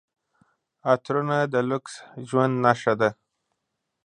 عطرونه د لوکس ژوند نښه ده.